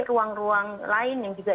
ruang ruang lain yang juga